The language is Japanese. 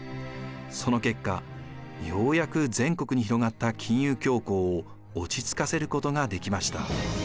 その結果ようやく全国に広がった金融恐慌を落ち着かせることができました。